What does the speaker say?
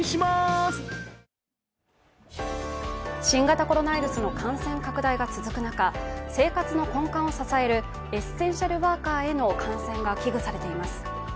新型コロナウイルスの感染拡大が続く中、生活の根幹を支えるエッセンシャルワーカーへの感染が危惧されています。